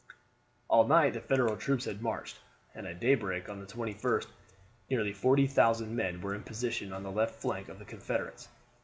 All night the Federal troops had marched, and at daybreak on the 21st nearly 40,000 men were in position on the left flank of the Confederates.